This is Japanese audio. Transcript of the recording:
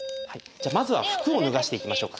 まずは服を脱がしていきましょうか。